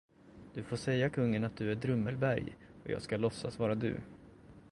Du får säga kungen att du är Drummelberg, och jag ska låtsas vara du.